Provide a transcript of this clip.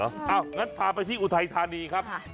งั้นพาไปที่อุทัยธานีครับ